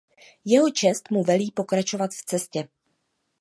Jeho čest mu velí pokračovat v cestě.